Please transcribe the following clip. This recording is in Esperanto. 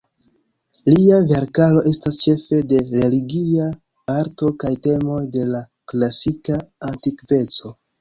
Lia verkaro estas ĉefe de religia arto kaj temoj de la klasika antikveco.